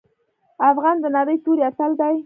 افغان د نرۍ توري اتل دی.